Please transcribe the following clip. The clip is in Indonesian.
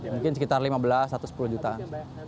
mungkin sekitar lima belas satu ratus sepuluh jutaan